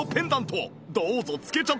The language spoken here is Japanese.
どうぞ着けちゃって！